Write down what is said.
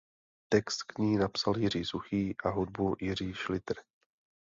Text k ní napsal Jiří Suchý a hudbu Jiří Šlitr.